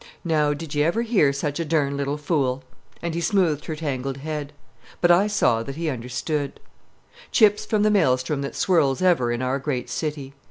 Now did ye ever hear such a dern little fool?" and he smoothed her tangled head. But I saw that he understood. Chips from the maelstrom that swirls ever in our great city.